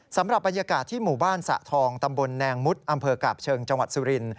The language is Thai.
สำหรับบรรยากาศที่หมู่บ้านสะทองตำบลแนงมุดอำเภอกาบเชิงจังหวัดสุริน